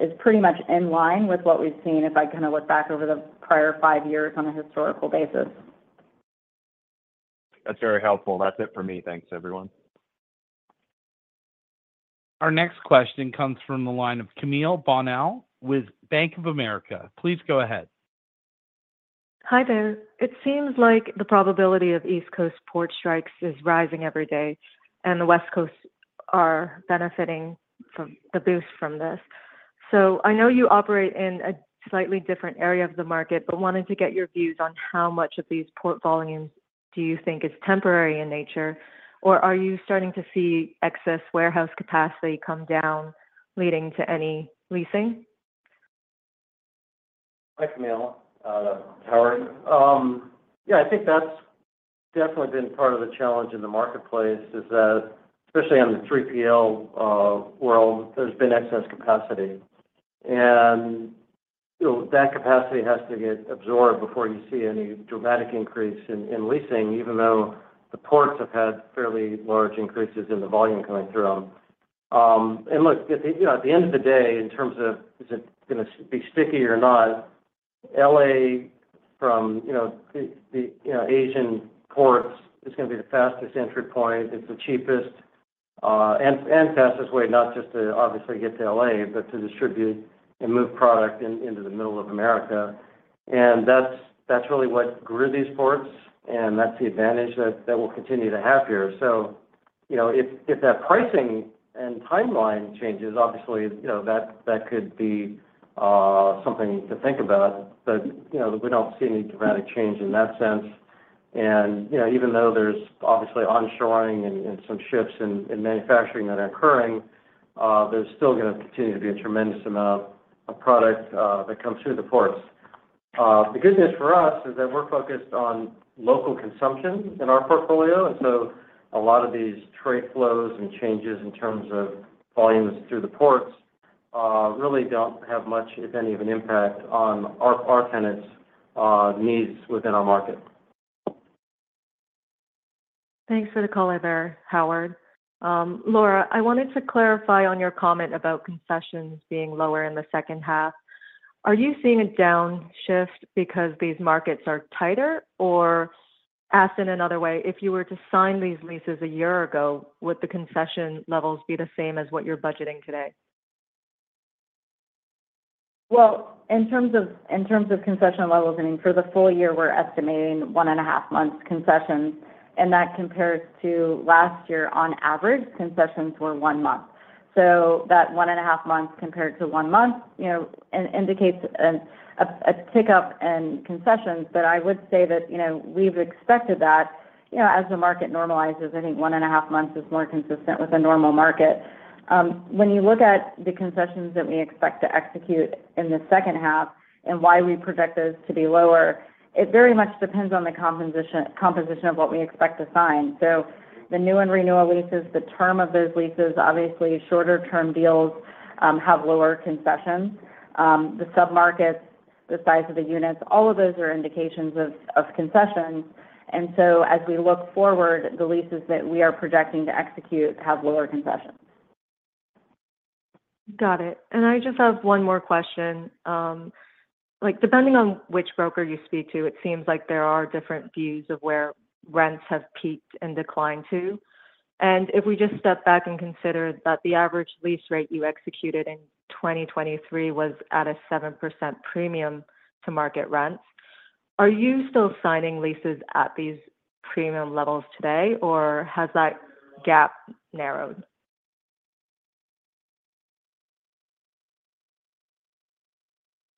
is pretty much in line with what we've seen, if I kind of look back over the prior five years on a historical basis. That's very helpful. That's it for me. Thanks, everyone. Our next question comes from the line of Camille Bonnel with Bank of America. Please go ahead. Hi there. It seems like the probability of East Coast port strikes is rising every day, and the West Coast are benefiting from the boost from this. So I know you operate in a slightly different area of the market, but wanted to get your views on how much of these port volumes do you think is temporary in nature? Or are you starting to see excess warehouse capacity come down, leading to any leasing? Hi, Camille, Howard. Yeah, I think that's definitely been part of the challenge in the marketplace, is that especially on the 3PL world, there's been excess capacity. And, you know, that capacity has to get absorbed before you see any dramatic increase in leasing, even though the ports have had fairly large increases in the volume coming through them. And look, you know, at the end of the day, in terms of is it gonna be sticky or not, LA from the Asian ports is gonna be the fastest entry point. It's the cheapest and fastest way, not just to obviously get to LA, but to distribute and move product into the middle of America. And that's really what grew these ports, and that's the advantage that we'll continue to have here. So, you know, if that pricing and timeline changes, obviously, you know, that could be something to think about. But, you know, we don't see any dramatic change in that sense. And, you know, even though there's obviously onshoring and some shifts in manufacturing that are occurring, there's still gonna continue to be a tremendous amount of product that comes through the ports. The good news for us is that we're focused on local consumption in our portfolio, and so a lot of these trade flows and changes in terms of volumes through the ports-... really don't have much, if any, of an impact on our tenants' needs within our market. Thanks for the call over there, Howard. Laura, I wanted to clarify on your comment about concessions being lower in the H2. Are you seeing a downshift because these markets are tighter? Or asked in another way, if you were to sign these leases a year ago, would the concession levels be the same as what you're budgeting today? Well, in terms of concession levels, I mean, for the full year, we're estimating 1.5 months concessions, and that compares to last year. On average, concessions were 1 month. So that 1.5 months compared to 1 month, you know, indicates a tick-up in concessions. But I would say that, you know, we've expected that. You know, as the market normalizes, I think 1.5 months is more consistent with a normal market. When you look at the concessions that we expect to execute in the H2 and why we project those to be lower, it very much depends on the composition of what we expect to sign. So the new and renewal leases, the term of those leases, obviously, shorter-term deals have lower concessions. The submarkets, the size of the units, all of those are indications of concessions. So as we look forward, the leases that we are projecting to execute have lower concessions. Got it. I just have one more question. Like, depending on which broker you speak to, it seems like there are different views of where rents have peaked and declined to. If we just step back and consider that the average lease rate you executed in 2023 was at a 7% premium to market rents, are you still signing leases at these premium levels today, or has that gap narrowed?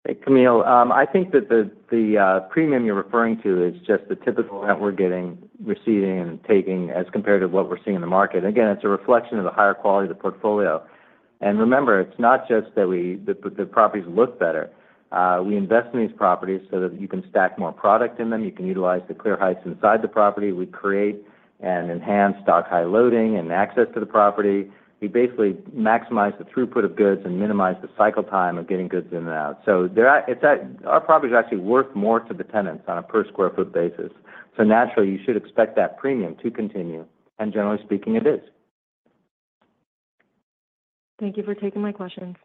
Hey, Camille. I think that the premium you're referring to is just the typical rent we're getting, receiving and taking as compared to what we're seeing in the market. Again, it's a reflection of the higher quality of the portfolio. And remember, it's not just that the properties look better. We invest in these properties so that you can stack more product in them, you can utilize the clear heights inside the property. We create and enhance dock-high loading and access to the property. We basically maximize the throughput of goods and minimize the cycle time of getting goods in and out. So our property is actually worth more to the tenants on a per square foot basis. So naturally, you should expect that premium to continue. And generally speaking, it is. Thank you for taking my questions.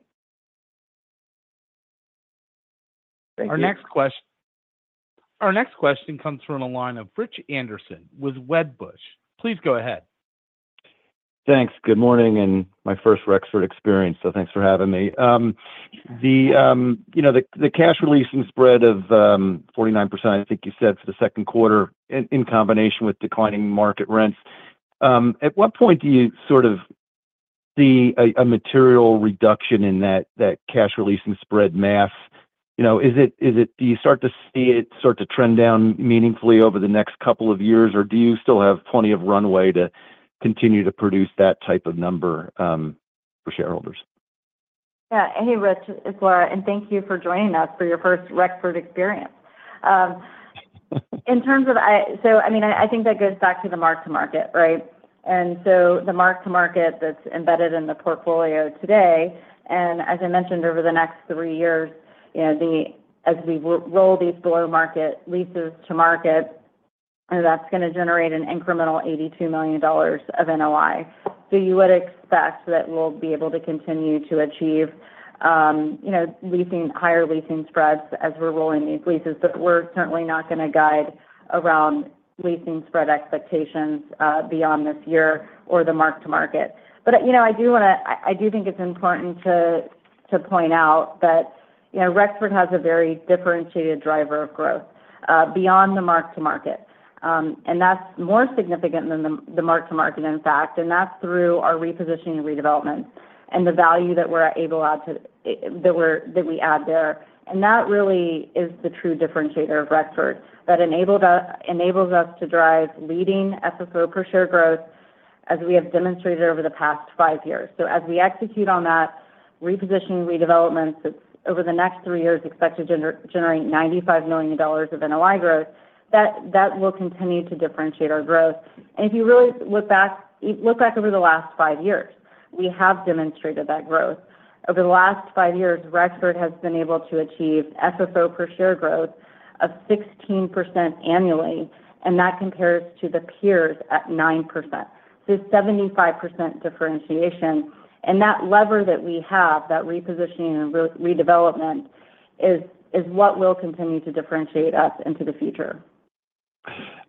Thank you. Our next question comes from the line of Rich Anderson with Wedbush. Please go ahead. Thanks. Good morning, and my first Rexford experience, so thanks for having me. You know, the cash re-leasing spread of 49%, I think you said, for the Q2, in combination with declining market rents. At what point do you sort of see a material reduction in that cash re-leasing spread math? You know, is it - is it - do you start to see it start to trend down meaningfully over the next couple of years, or do you still have plenty of runway to continue to produce that type of number for shareholders? Yeah. Hey, Rich, it's Laura, and thank you for joining us for your first Rexford experience. So, I mean, I think that goes back to the mark-to-market, right? And so the mark-to-market that's embedded in the portfolio today, and as I mentioned, over the next three years, you know, as we roll these below-market leases to market, that's gonna generate an incremental $82 million of NOI. So you would expect that we'll be able to continue to achieve, you know, higher leasing spreads as we're rolling these leases, but we're certainly not gonna guide around leasing spread expectations beyond this year or the mark-to-market. But, you know, I do wanna I, I do think it's important to, to point out that, you know, Rexford has a very differentiated driver of growth, beyond the mark to market. And that's more significant than the mark to market, in fact, and that's through our repositioning and redevelopment, and the value that we're able to add there. And that really is the true differentiator of Rexford, that enables us to drive leading FFO per share growth, as we have demonstrated over the past five years. So as we execute on that repositioning and redevelopments, it's over the next three years, expect to generate $95 million of NOI growth, that will continue to differentiate our growth. And if you really look back over the last five years, we have demonstrated that growth. Over the last five years, Rexford has been able to achieve FFO per share growth of 16% annually, and that compares to the peers at 9%. So it's 75% differentiation, and that lever that we have, that repositioning and redevelopment, is what will continue to differentiate us into the future.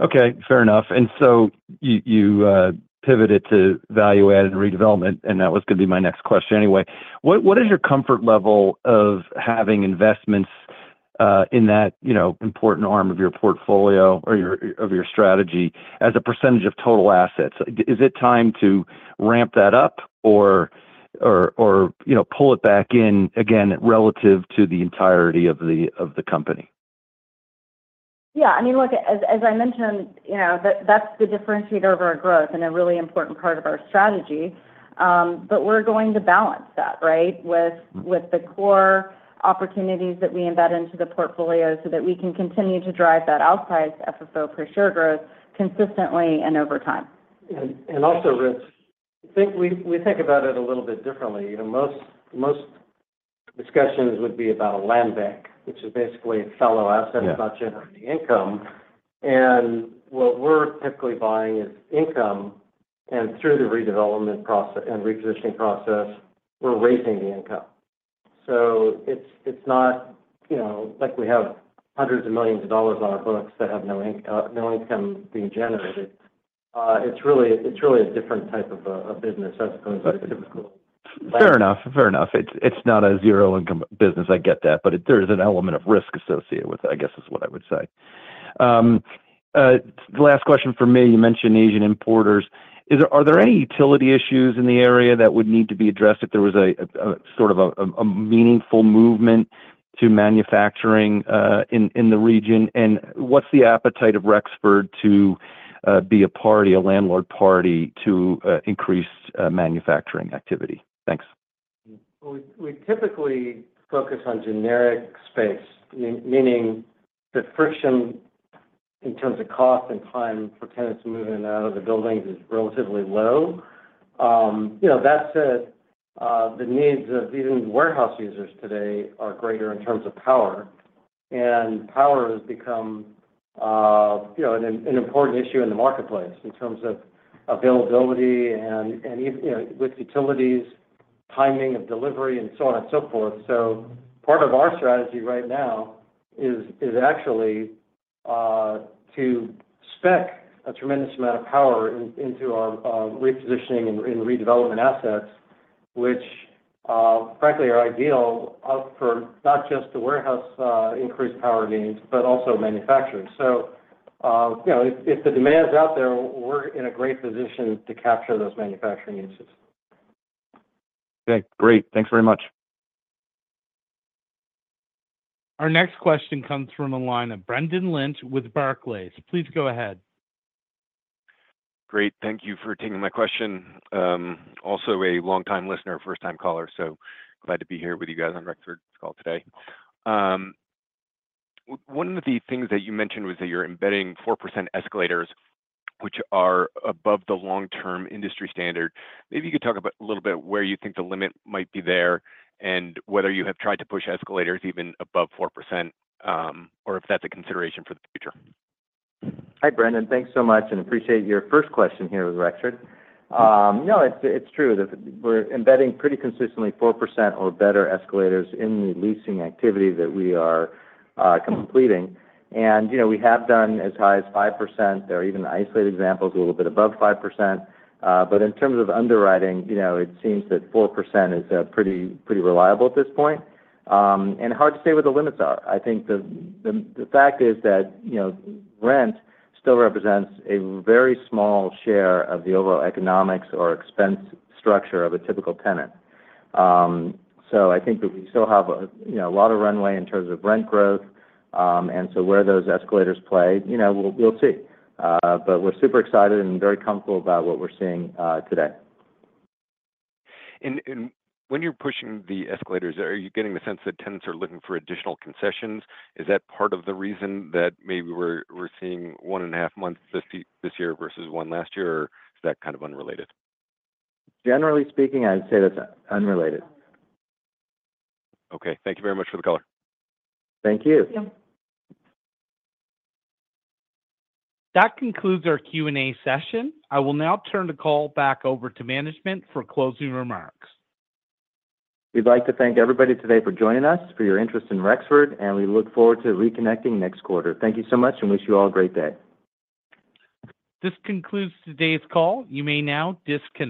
Okay, fair enough. And so you, you, pivoted to value add and redevelopment, and that was gonna be my next question anyway. What, what is your comfort level of having investments, in that, you know, important arm of your portfolio or your- of your strategy as a percentage of total assets? I- is it time to ramp that up or, or, or, you know, pull it back in again relative to the entirety of the, of the company? Yeah, I mean, look, as I mentioned, you know, that- that's the differentiator of our growth and a really important part of our strategy. But we're going to balance that, right? With the core opportunities that we embed into the portfolio so that we can continue to drive that outsized FFO per share growth consistently and over time.... And also, Rich, I think we think about it a little bit differently. You know, most discussions would be about a land bank, which is basically a fallow asset- Yeah -that's not generating income. And what we're typically buying is income, and through the redevelopment process and repositioning process, we're raising the income. So it's, it's not, you know, like we have hundreds of millions on our books that have no income being generated. It's really, it's really a different type of, of business as opposed to the typical- Fair enough. Fair enough. It's not a zero income business, I get that, but there is an element of risk associated with it, I guess, is what I would say. Last question from me. You mentioned Asian importers. Are there any utility issues in the area that would need to be addressed if there was a sort of a meaningful movement to manufacturing in the region? And what's the appetite of Rexford to be a party, a landlord party, to increase manufacturing activity? Thanks. Well, we typically focus on generic space, meaning the friction in terms of cost and time for tenants to move in and out of the buildings is relatively low. You know, that said, the needs of even warehouse users today are greater in terms of power, and power has become, you know, an important issue in the marketplace in terms of availability and, you know, with utilities, timing of delivery, and so on and so forth. So part of our strategy right now is actually to spec a tremendous amount of power into our repositioning and redevelopment assets, which, frankly, are ideal for not just the warehouse increased power needs, but also manufacturers. So, you know, if the demand is out there, we're in a great position to capture those manufacturing uses. Okay, great. Thanks very much. Our next question comes from the line of Brendan Lynch with Barclays. Please go ahead. Great. Thank you for taking my question. Also a long time listener, first time caller, so glad to be here with you guys on Rexford's call today. One of the things that you mentioned was that you're embedding 4% escalators, which are above the long-term industry standard. Maybe you could talk about, a little bit, where you think the limit might be there, and whether you have tried to push escalators even above 4%, or if that's a consideration for the future. Hi, Brendan. Thanks so much, and appreciate your first question here with Rexford. No, it's true that we're embedding pretty consistently 4% or better escalators in the leasing activity that we are completing. You know, we have done as high as 5%. There are even isolated examples a little bit above 5%. But in terms of underwriting, you know, it seems that 4% is pretty reliable at this point. Hard to say what the limits are. I think the fact is that, you know, rent still represents a very small share of the overall economics or expense structure of a typical tenant. So I think that we still have a lot of runway in terms of rent growth. And so where those escalators play, you know, we'll see. But we're super excited and very comfortable about what we're seeing today. When you're pushing the escalators, are you getting the sense that tenants are looking for additional concessions? Is that part of the reason that maybe we're seeing 1.5 months this year versus 1 last year, or is that kind of unrelated? Generally speaking, I'd say that's unrelated. Okay. Thank you very much for the call. Thank you. Thank you. That concludes our Q&A session. I will now turn the call back over to management for closing remarks. We'd like to thank everybody today for joining us, for your interest in Rexford, and we look forward to reconnecting next quarter. Thank you so much, and wish you all a great day. This concludes today's call. You may now disconnect.